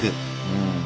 うん。